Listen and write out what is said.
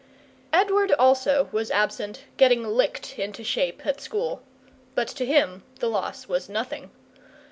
Edward also was absent, getting licked into shape at school; but to him the loss was nothing.